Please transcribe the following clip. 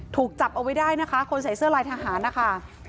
ถูกจับเอาไว้ได้นะคะคนใส่เสื้อลายทหารนะคะ